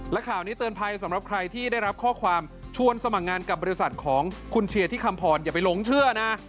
และข่าวนี้เตือนภัยสำหรับใครที่ได้รับข้อความชวนสมัครงานกับบริษัทของคุณเชียร์ที่คำพรอย่าไปหลงเชื่อนะ